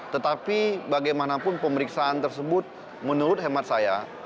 tetapi bagaimanapun pemeriksaan tersebut menurut hemat saya